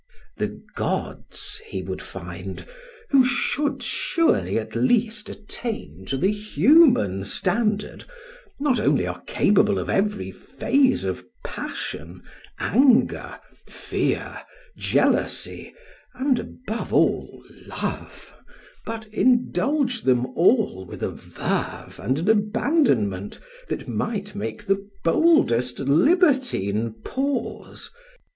The gods, he would find, who should surely at least attain to the human standard, not only are capable of every phase of passion, anger, fear, jealousy and, above all, love, but indulge them all with a verve and an abandonment that might make the boldest libertine pause.